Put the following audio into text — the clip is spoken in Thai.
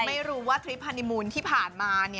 ไม่รู้ว่าทริปฮานีมูลที่ผ่านมา